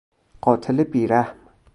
قاتل بیرحم